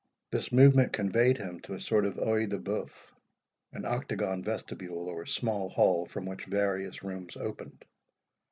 This movement conveyed him to a sort of oeil de boeuf, an octagon vestibule, or small hall, from which various rooms opened.